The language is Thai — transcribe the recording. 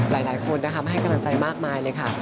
หลายคนนะคะมาให้กำลังใจมากมายเลยค่ะ